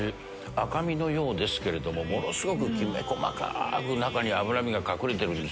赤身のようですけどものすごくきめ細かく中に脂身が隠れてる。